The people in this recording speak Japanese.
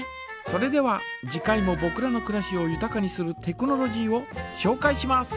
それでは次回もぼくらのくらしをゆたかにするテクノロジーをしょうかいします。